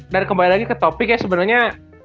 dan kembali lagi ke topik ya sebenernya